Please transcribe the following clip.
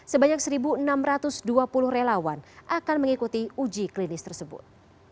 sebanyak satu enam ratus dua puluh relawan akan mengikuti uji klinis tersebut